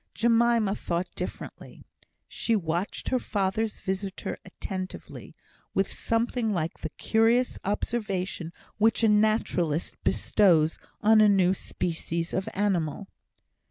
Jemima thought differently. She watched her father's visitor attentively, with something like the curious observation which a naturalist bestows on a new species of animal.